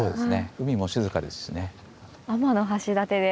海も静かですしね。